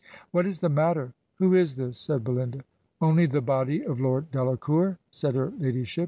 'What is the matter? Who is this?' said Behnda. ' Only the body of Lord Delacour,' said her ladyship.